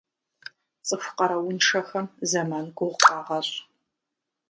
Цӏыху къарууншэхэм зэман гугъу къагъэщӏ.